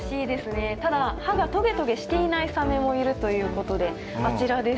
ただ歯がトゲトゲしていないサメもいるということであちらです。